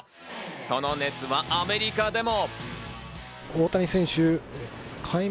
その熱はアメリカでも。